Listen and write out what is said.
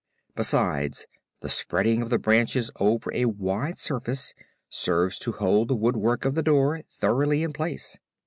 Besides the spreading of the branches over a wide surface serves to hold the woodwork of the door thoroughly in place.